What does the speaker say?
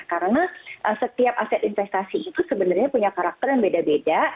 karena setiap aset investasi itu sebenarnya punya karakter yang beda beda